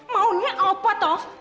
maunya apa toh